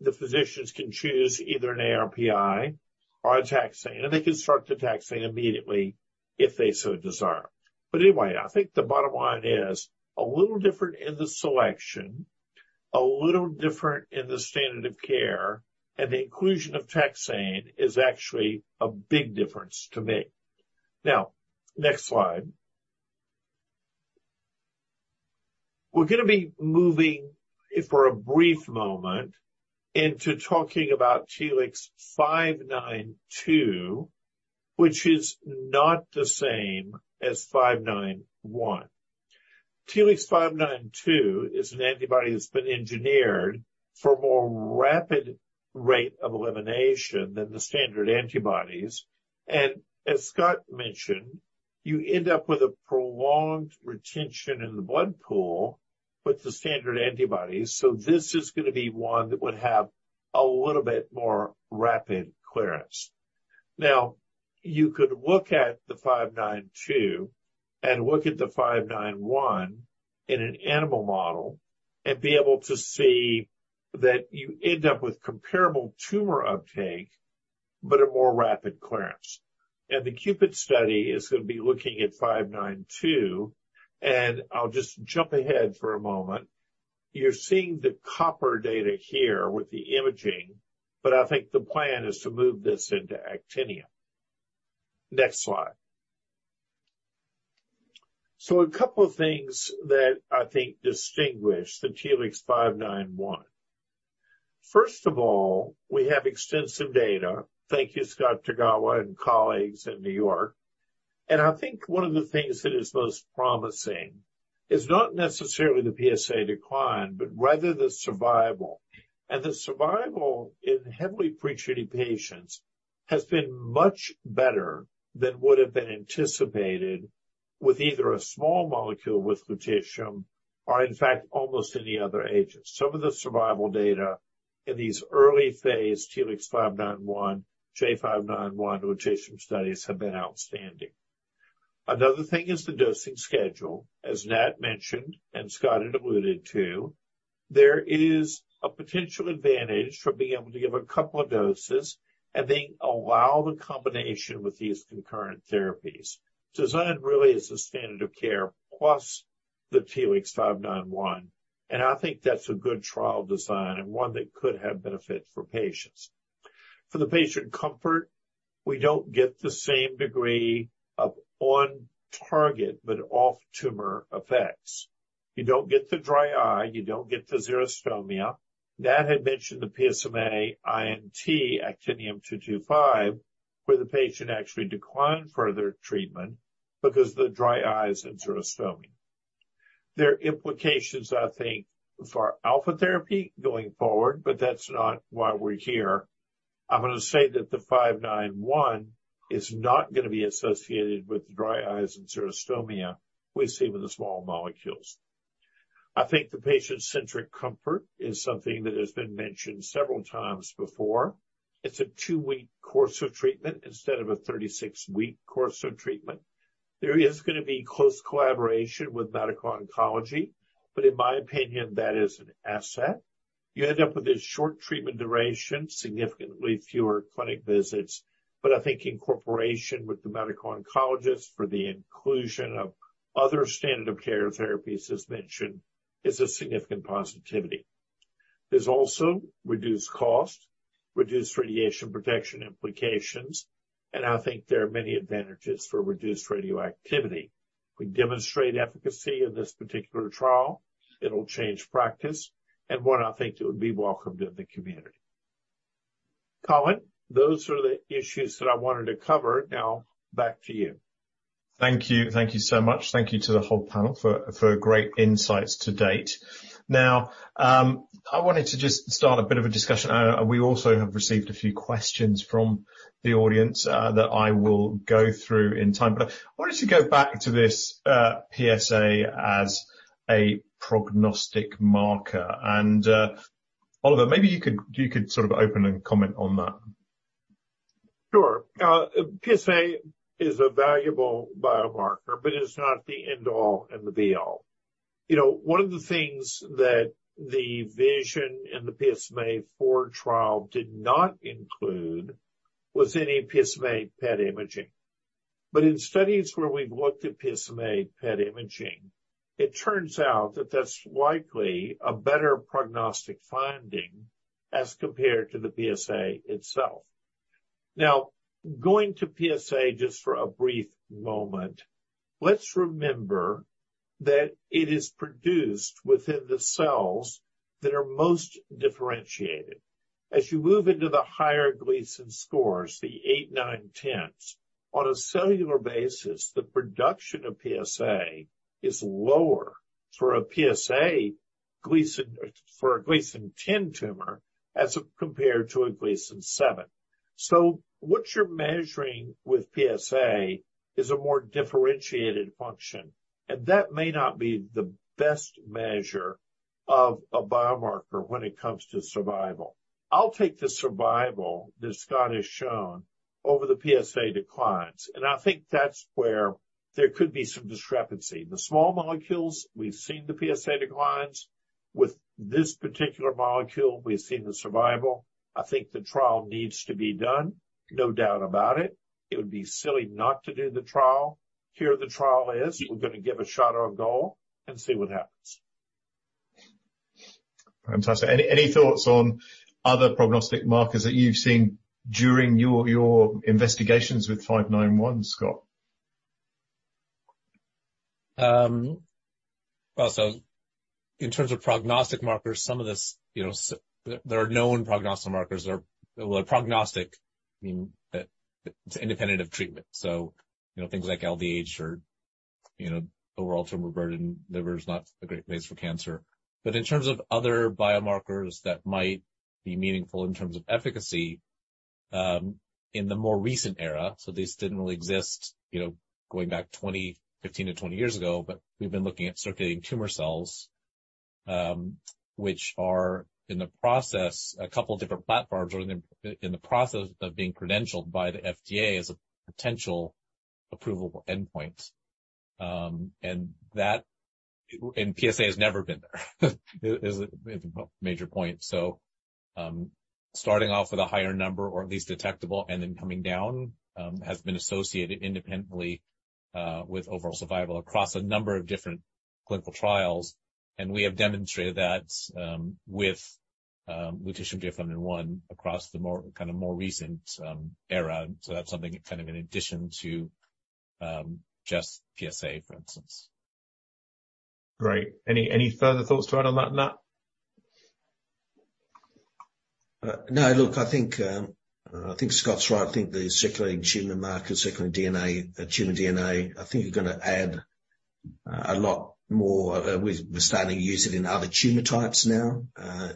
the physicians can choose either an ARPI or a taxane, and they can start the taxane immediately if they so desire. But anyway, I think the bottom line is a little different in the selection, a little different in the standard of care, and the inclusion of taxane is actually a big difference to me. Now, next slide. We're going to be moving, for a brief moment into talking about Telix 592, which is not the same as 591. Telix 592 is an antibody that's been engineered for a more rapid rate of elimination than the standard antibodies, and as Scott mentioned, you end up with a prolonged retention in the blood pool with the standard antibodies. So this is going to be one that would have a little bit more rapid clearance. Now, you could look at the 592 and look at the 591 in an animal model and be able to see that you end up with comparable tumor uptake, but a more rapid clearance. And the CUPID study is going to be looking at 592, and I'll just jump ahead for a moment. You're seeing the copper data here with the imaging, but I think the plan is to move this into actinium. Next slide. So a couple of things that I think distinguish the Telix 591. First of all, we have extensive data. Thank you, Scott Tagawa and colleagues in New York. And I think one of the things that is most promising is not necessarily the PSA decline, but rather the survival. And the survival in heavily pre-treated patients has been much better than would have been anticipated with either a small molecule with lutetium or in fact, almost any other agent. Some of the survival data in these early phase Telix 591, J591 lutetium studies have been outstanding. Another thing is the dosing schedule. As Nat mentioned, and Scott had alluded to, there is a potential advantage from being able to give a couple of doses and then allow the combination with these concurrent therapies. Design really is the standard of care plus the Telix 591, and I think that's a good trial design and one that could have benefit for patients. For the patient comfort, we don't get the same degree of on target, but off-tumor effects. You don't get the dry eye, you don't get the xerostomia. Nat had mentioned the PSMA-I&T actinium 225, where the patient actually declined further treatment because the dry eyes and xerostomia. There are implications, I think, for alpha therapy going forward, but that's not why we're here. I'm going to say that the 591 is not going to be associated with dry eyes and xerostomia we see with the small molecules. I think the patient-centric comfort is something that has been mentioned several times before. It's a 2-week course of treatment instead of a 36-week course of treatment. There is going to be close collaboration with medical oncology, but in my opinion, that is an asset. You end up with a short treatment duration, significantly fewer clinic visits, but I think incorporation with the medical oncologist for the inclusion of other standard of care therapies, as mentioned, is a significant positivity. There's also reduced cost, reduced radiation protection implications, and I think there are many advantages for reduced radioactivity. We demonstrate efficacy of this particular trial, it'll change practice, and one I think that would be welcomed in the community. Colin, those are the issues that I wanted to cover. Now, back to you. Thank you. Thank you so much. Thank you to the whole panel for great insights to date. Now, I wanted to just start a bit of a discussion, and we also have received a few questions from the audience that I will go through in time. But I wanted to go back to this PSA as a prognostic marker, and Oliver, maybe you could sort of open and comment on that. Sure. PSA is a valuable biomarker, but it's not the end-all and the be-all. You know, one of the things that the VISION and the PSMAfore trial did not include was any PSMA PET imaging. But in studies where we've looked at PSMA PET imaging, it turns out that that's likely a better prognostic finding as compared to the PSA itself. Now, going to PSA just for a brief moment, let's remember that it is produced within the cells that are most differentiated. As you move into the higher Gleason scores, the 8, 9, 10s, on a cellular basis, the production of PSA is lower for a Gleason 10 tumor as compared to a Gleason 7. So what you're measuring with PSA is a more differentiated function, and that may not be the best measure of a biomarker when it comes to survival. I'll take the survival that Scott has shown over the PSA declines, and I think that's where there could be some discrepancy. The small molecules, we've seen the PSA declines. With this particular molecule, we've seen the survival. I think the trial needs to be done, no doubt about it. It would be silly not to do the trial. Here, the trial is we're going to give a shot on goal and see what happens. Fantastic. Any thoughts on other prognostic markers that you've seen during your investigations with 591, Scott? Well, so in terms of prognostic markers, some of this, you know, there are known prognostic markers. Well, prognostic, I mean, it's independent of treatment, so, you know, things like LDH or you know, overall tumor burden, liver is not a great place for cancer. But in terms of other biomarkers that might be meaningful in terms of efficacy, in the more recent era, so these didn't really exist, you know, going back 15 to 20 years ago, but we've been looking at circulating tumor cells, which are in the process a couple of different platforms are in the process of being credentialed by the FDA as a potential approvable endpoint. And PSA has never been there is a major point. So, starting off with a higher number or at least detectable and then coming down, has been associated independently, with overall survival across a number of different clinical trials, and we have demonstrated that, with lutetium JF-001 across the more, kind of more recent, era. So that's something kind of in addition to, just PSA, for instance. Great. Any further thoughts to add on that, Nat? No, look, I think I think Scott's right. I think the circulating tumor markers, circulating DNA, tumor DNA, I think are gonna add a lot more. We're starting to use it in other tumor types now.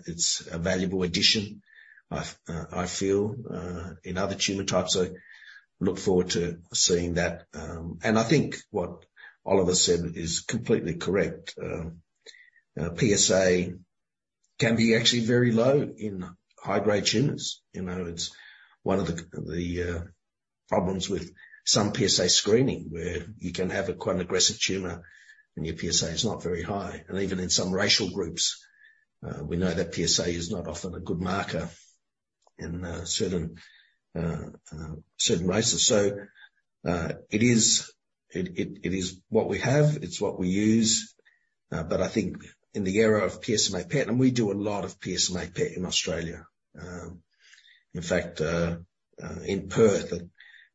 It's a valuable addition, I feel in other tumor types. I look forward to seeing that. And I think what Oliver said is completely correct. PSA can be actually very low in high-grade tumors. You know, it's one of the problems with some PSA screening, where you can have a quite aggressive tumor and your PSA is not very high. And even in some racial groups, we know that PSA is not often a good marker in certain races. So, it is what we have, it's what we use. But I think in the era of PSMA PET, and we do a lot of PSMA PET in Australia. In fact, in Perth,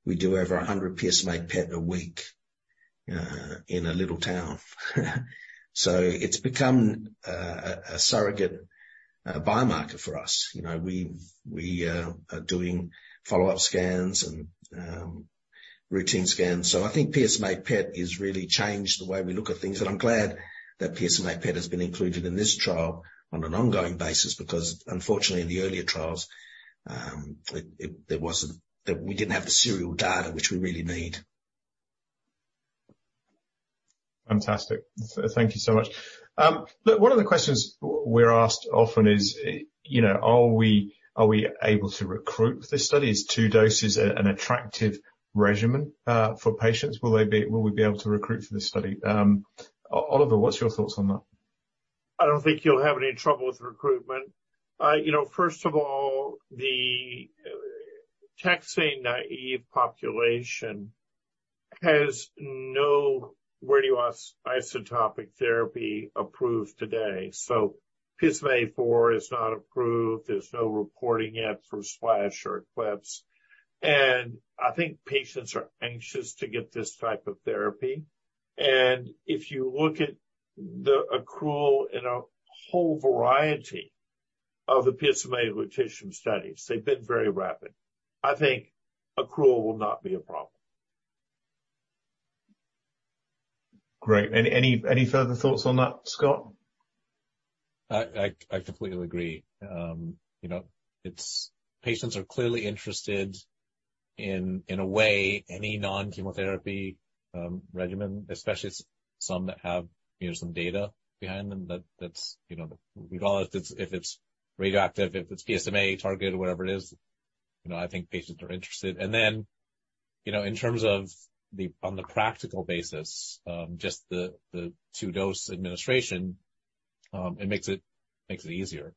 we do over 100 PSMA PET a week, in a little town. So it's become a surrogate biomarker for us. You know, we are doing follow-up scans and routine scans. So I think PSMA PET has really changed the way we look at things, and I'm glad that PSMA PET has been included in this trial on an ongoing basis, because unfortunately, in the earlier trials, there wasn't that we didn't have the serial data, which we really need. Fantastic. Thank you so much. Look, one of the questions we're asked often is, you know, are we, are we able to recruit for this study? Is two doses an attractive regimen for patients? Will we be able to recruit for this study? Oliver, what's your thoughts on that? I don't think you'll have any trouble with recruitment. You know, first of all, the taxane-naive population has no radiopharmaceutical therapy approved today. So PSMA-617 is not approved. There's no reporting yet for Splash or Eclipse, and I think patients are anxious to get this type of therapy. And if you look at the accrual in a whole variety of the PSMA lutetium studies, they've been very rapid. I think accrual will not be a problem. Great. Any further thoughts on that, Scott? I completely agree. You know, it's. Patients are clearly interested in a way any non-chemotherapy regimen, especially some that have, you know, some data behind them, that's, you know, regardless if it's, if it's radioactive, if it's PSMA targeted, whatever it is, you know, I think patients are interested. And then, you know, in terms of the, on the practical basis, just the two-dose administration, it makes it easier.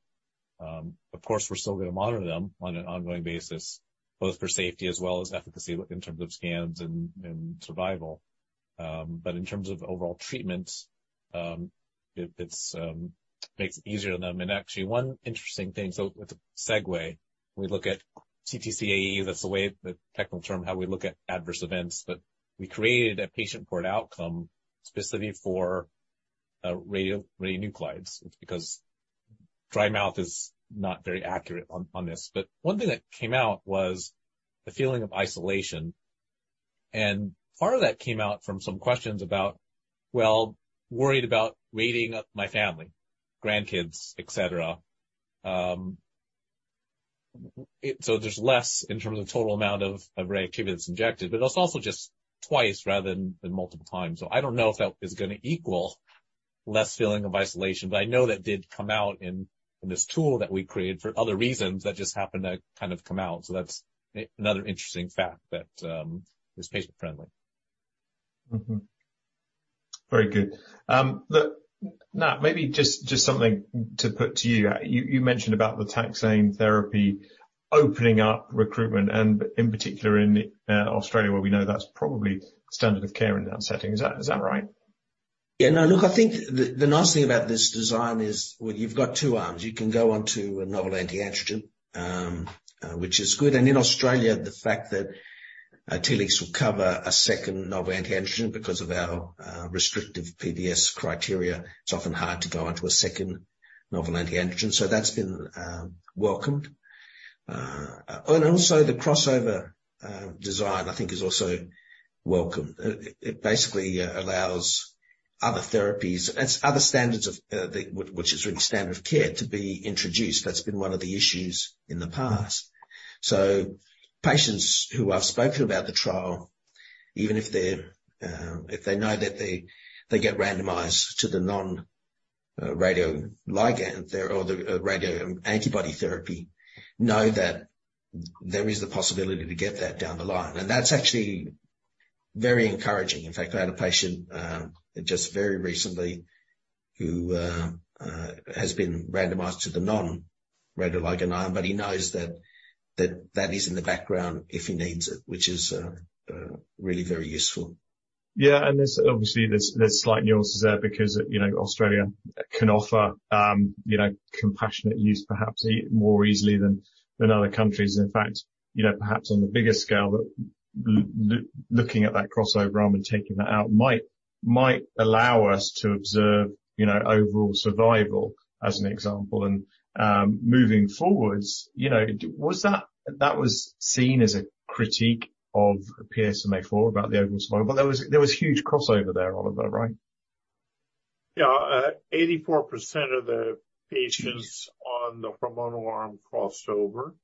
Of course, we're still gonna monitor them on an ongoing basis, both for safety as well as efficacy in terms of scans and survival. But in terms of overall treatment, it makes it easier on them. Actually, one interesting thing, so with the segue, we look at CTCAE, that's the way, the technical term, how we look at adverse events, but we created a patient-reported outcome specifically for radio, radionuclides. It's because dry mouth is not very accurate on this. But one thing that came out was the feeling of isolation, and part of that came out from some questions about, well, worried about radiating my family, grandkids, et cetera. So there's less in terms of total amount of radioactivity that's injected, but it's also just twice rather than multiple times. So I don't know if that is gonna equal less feeling of isolation, but I know that did come out in this tool that we created for other reasons that just happened to kind of come out. So that's another interesting fact that is patient-friendly. Mm-hmm. Very good. Look, Nat, maybe just, just something to put to you. You, you mentioned about the taxane therapy opening up recruitment, and in particular in Australia, where we know that's probably standard of care in that setting. Is that, is that right? Yeah. No, look, I think the nice thing about this design is, well, you've got two arms. You can go on to a novel anti-androgen, which is good. And in Australia, the fact that Telix will cover a second novel anti-androgen because of our restrictive PBS criteria, it's often hard to go onto a second novel anti-androgen. So that's been welcomed. And also, the crossover design, I think, is also welcomed. It basically allows other therapies and other standards of care to be introduced. That's been one of the issues in the past. So patients who I've spoken about the trial, even if they're, if they know that they get randomized to the non-radioligand or the radioantibody therapy, know that there is the possibility to get that down the line. And that's actually very encouraging. In fact, I had a patient just very recently who has been randomized to the non-radioligand arm, but he knows that that is in the background if he needs it, which is really very useful. Yeah, and there's obviously there's slight nuances there because, you know, Australia can offer, you know, compassionate use perhaps more easily than other countries. In fact, you know, perhaps on the bigger scale, that looking at that crossover arm and taking that out might allow us to observe, you know, overall survival as an example. And moving forwards, you know, that was seen as a critique of PSMA four about the overall survival. There was huge crossover there, Oliver, right? Yeah. 84% of the patients on the hormonal arm crossed over.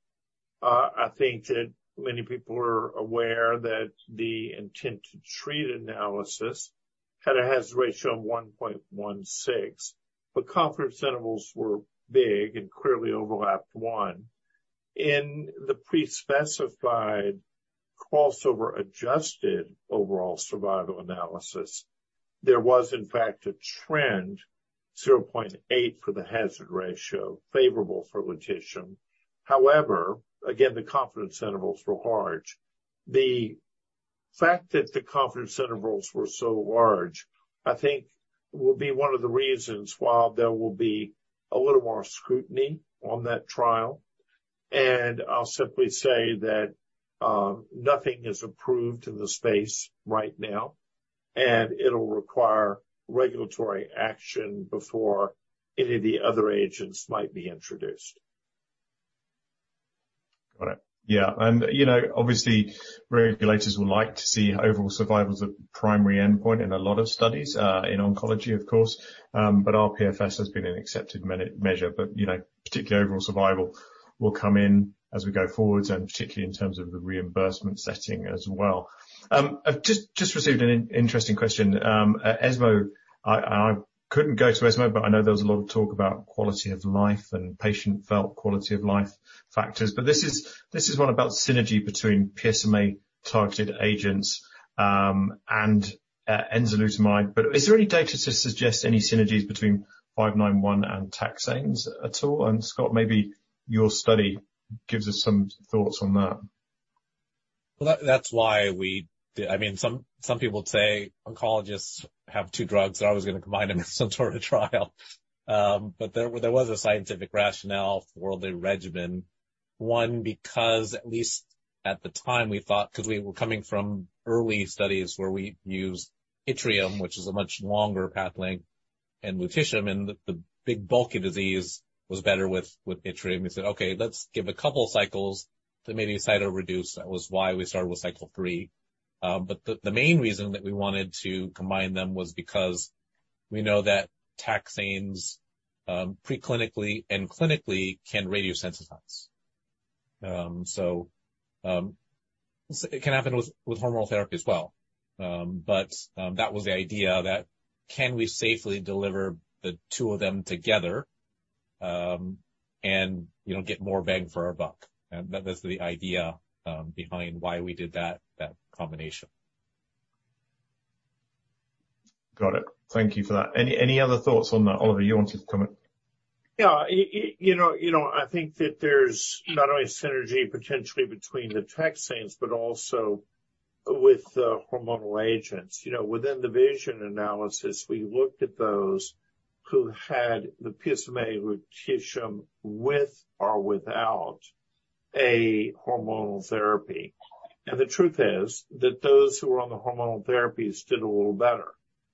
I think that many people were aware that the intent to treat analysis had a hazard ratio of 1.16, but confidence intervals were big and clearly overlapped 1. In the pre-specified crossover-adjusted overall survival analysis, there was, in fact, a trend, 0.8, for the hazard ratio favorable for lutetium. However, again, the confidence intervals were large. The fact that the confidence intervals were so large, I think will be one of the reasons why there will be a little more scrutiny on that trial. I'll simply say that, nothing is approved in the space right now, and it'll require regulatory action before any of the other agents might be introduced. Got it. Yeah, and, you know, obviously, regulators would like to see overall survival as a primary endpoint in a lot of studies in oncology, of course. But our PFS has been an accepted measure, but, you know, particularly overall survival will come in as we go forward, and particularly in terms of the reimbursement setting as well. I've just received an interesting question. At ESMO, I couldn't go to ESMO, but I know there was a lot of talk about quality of life and patient-felt quality of life factors. But this is one about synergy between PSMA-targeted agents and enzalutamide. But is there any data to suggest any synergies between 591 and taxanes at all? And, Scott, maybe your study gives us some thoughts on that. Well, that's why we. I mean, some people would say oncologists have two drugs, and I was going to combine them in some sort of trial. But there was a scientific rationale for the regimen. One, because at least at the time, we thought, because we were coming from early studies where we used yttrium, which is a much longer path length, and lutetium, and the big bulky disease was better with yttrium. We said, "Okay, let's give a couple cycles to maybe cytoreduce." That was why we started with cycle three. But the main reason that we wanted to combine them was because we know that taxanes, preclinically and clinically can radiosensitize. So, it can happen with hormonal therapy as well. But that was the idea, that can we safely deliver the two of them together, and, you know, get more bang for our buck? And that was the idea behind why we did that, that combination. Got it. Thank you for that. Any other thoughts on that? Oliver, you wanted to comment? Yeah. You know, you know, I think that there's not only synergy potentially between the taxanes but also with the hormonal agents. You know, within the VISION analysis, we looked at those who had the PSMA lutetium, with or without a hormonal therapy. And the truth is that those who were on the hormonal therapies did a little better.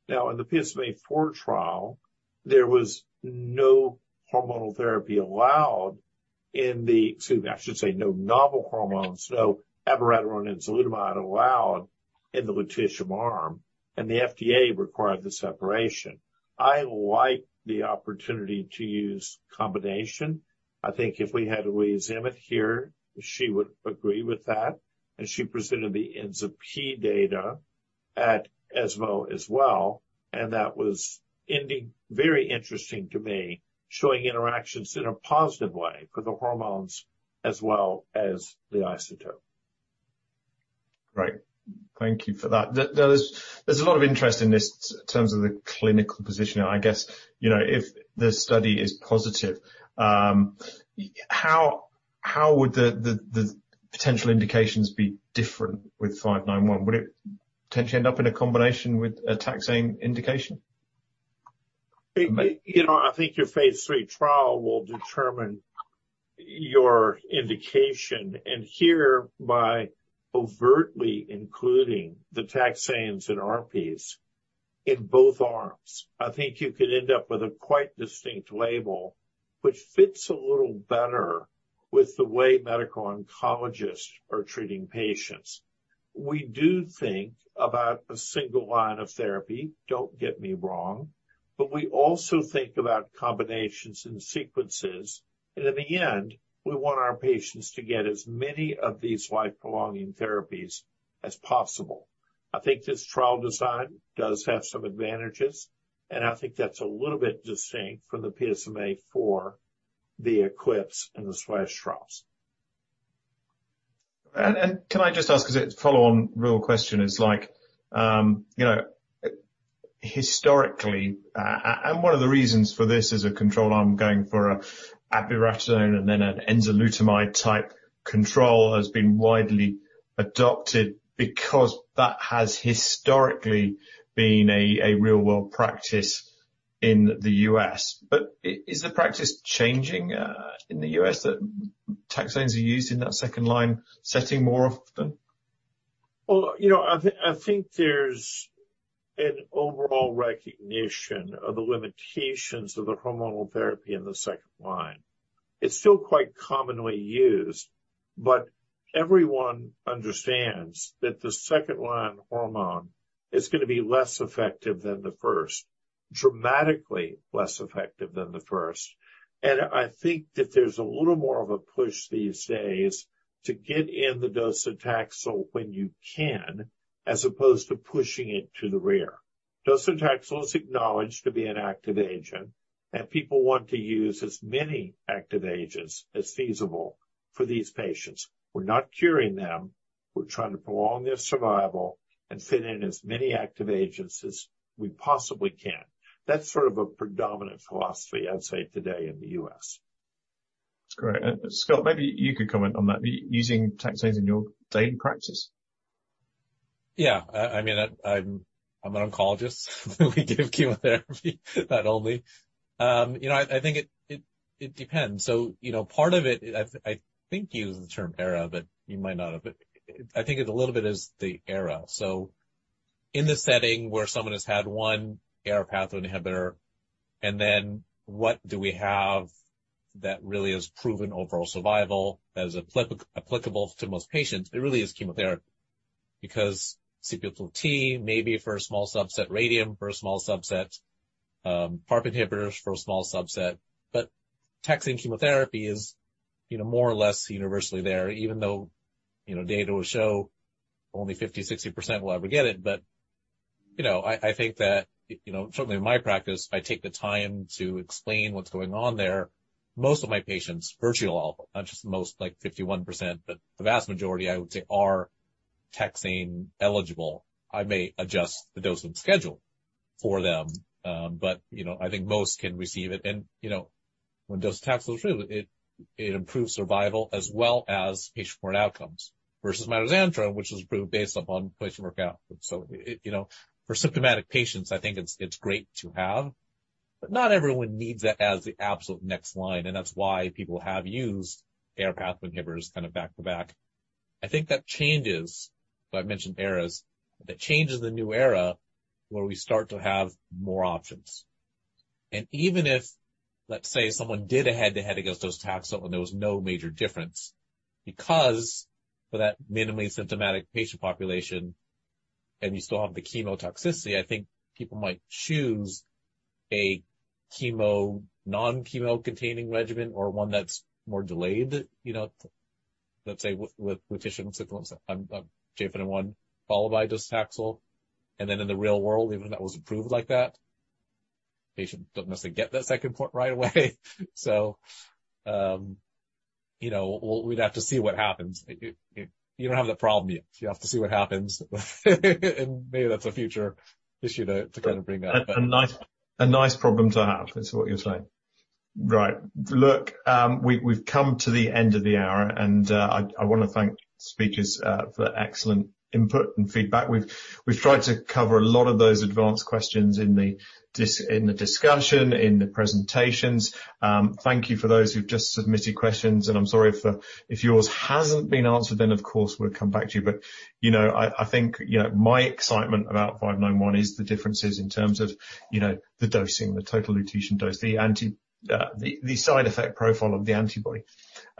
Now, in the PSMAfore trial, there was no hormonal therapy allowed in the. Excuse me, I should say no novel hormones, no abiraterone and enzalutamide allowed in the lutetium arm, and the FDA required the separation. I like the opportunity to use combination. I think if we had Louise Emmett here, she would agree with that, and she presented the ENZA-p data at ESMO as well, and that was indeed very interesting to me, showing interactions in a positive way for the hormones as well as the isotope. Great. Thank you for that. There's a lot of interest in this, in terms of the clinical position. I guess, you know, if this study is positive, how would the potential indications be different with five nine one? Would it potentially end up in a combination with a taxane indication? You know, I think your phase III trial will determine your indication, and here, by overtly including the taxanes and RPs in both arms, I think you could end up with a quite distinct label, which fits a little better with the way medical oncologists are treating patients. We do think about a single line of therapy, don't get me wrong, but we also think about combinations and sequences, and in the end, we want our patients to get as many of these life-prolonging therapies as possible. I think this trial design does have some advantages, and I think that's a little bit distinct from the PSMA for the Eclipse and the SPLASH trials. Can I just ask, as a follow-on real question is like, you know, historically, and one of the reasons for this as a control arm going for abiraterone and then an enzalutamide-type control has been widely adopted because that has historically been a real-world practice in the U.S. But is the practice changing in the U.S., that taxanes are used in that second-line setting more often? Well, you know, I think, I think there's an overall recognition of the limitations of the hormonal therapy in the second line. It's still quite commonly used, but everyone understands that the second-line hormone is gonna be less effective than the first, dramatically less effective than the first. And I think that there's a little more of a push these days to get in the docetaxel when you can, as opposed to pushing it to the rear. Docetaxel is acknowledged to be an active agent, and people want to use as many active agents as feasible for these patients. We're not curing them. We're trying to prolong their survival and fit in as many active agents as we possibly can. That's sort of a predominant philosophy, I'd say, today in the U.S. That's great. And Scott, maybe you could comment on that, using taxanes in your daily practice. Yeah. I mean, I'm an oncologist. We give chemotherapy, not only. You know, I think it depends. So, you know, part of it, I think you used the term era, but you might not have. I think it a little bit is the era. So in the setting where someone has had one AR pathway inhibitor, and then what do we have that really is proven overall survival, that is applicable to most patients, it really is chemotherapy. Because CPx-35 may be for a small subset, radium for a small subset, PARP inhibitors for a small subset. But taxane chemotherapy is, you know, more or less universally there, even though, you know, data will show only 50%-60% will ever get it. You know, I think that, you know, certainly in my practice, I take the time to explain what's going on there. Most of my patients, virtually all, not just most, like 51%, but the vast majority, I would say, are taxane eligible. I may adjust the dosing schedule for them, but, you know, I think most can receive it. And, you know, when docetaxel is real, it improves survival as well as patient support outcomes, versus mitoxantrone, which is approved based upon patient outcomes. So it, you know, for symptomatic patients, I think it's great to have, but not everyone needs that as the absolute next line, and that's why people have used AR pathway inhibitors kind of back to back. I think that changes, but I mentioned ARs. That changes the new era where we start to have more options. And even if, let's say, someone did a head-to-head against docetaxel, and there was no major difference, because for that minimally symptomatic patient population, and you still have the chemo toxicity, I think people might choose a chemo, non-chemo-containing regimen or one that's more delayed, you know. Let's say, with tissue and symptoms, J591, followed by docetaxel, and then in the real world, even if that was approved like that, patient doesn't necessarily get that second part right away. So, you know, we'd have to see what happens. You don't have that problem yet. You have to see what happens, and maybe that's a future issue to kind of bring up. A nice, a nice problem to have, is what you're saying. Right. Look, we've come to the end of the hour, and I wanna thank the speakers for the excellent input and feedback. We've tried to cover a lot of those advanced questions in the discussion, in the presentations. Thank you for those who've just submitted questions, and I'm sorry if yours hasn't been answered, then, of course, we'll come back to you. But, you know, I think, you know, my excitement about J591 is the differences in terms of, you know, the dosing, the total lutetium dose, the side effect profile of the antibody.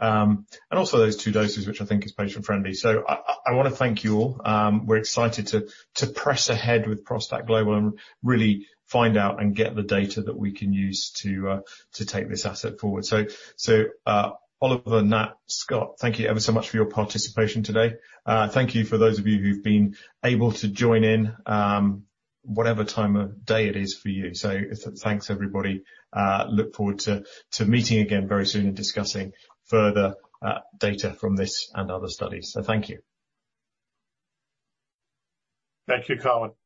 And also those two doses, which I think is patient-friendly. So I wanna thank you all. We're excited to press ahead with ProstACT GLOBAL and really find out and get the data that we can use to take this asset forward. So, Oliver, Nat, Scott, thank you ever so much for your participation today. Thank you for those of you who've been able to join in, whatever time of day it is for you. So thanks, everybody. Look forward to meeting again very soon and discussing further data from this and other studies. So thank you. Thank you, Colin.